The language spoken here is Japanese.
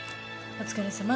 お疲れさま。